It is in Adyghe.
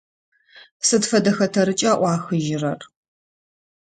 Сыд фэдэ хэтэрыкӏа ӏуахыжьырэр?